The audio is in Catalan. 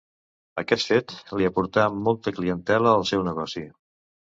Aquest fet li aportà molta clientela al seu negoci.